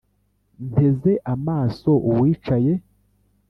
nteze amaso uwicaye